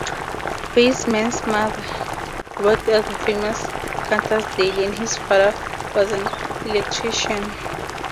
Baseman's mother worked at the famous Canter's Deli and his father was an electrician.